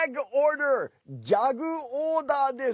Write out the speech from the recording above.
ギャグオーダーです。